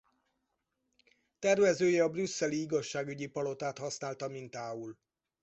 Tervezője a brüsszeli Igazságügyi palotát használta mintául.